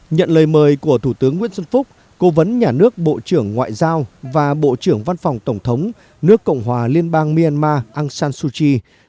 nhận lời mời của thủ tướng nguyễn xuân phúc cố vấn nhà nước bộ trưởng ngoại giao và bộ trưởng văn phòng tổng thống nước cộng hòa liên bang myanmar aung san suu kyi